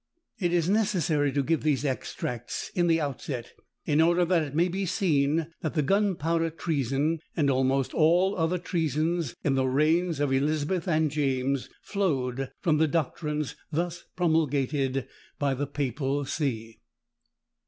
It is necessary to give these extracts in the outset, in order that it may be seen that the gunpowder treason, and almost all other treasons in the reigns of Elizabeth and James, flowed from the doctrines thus promulgated by the papal see.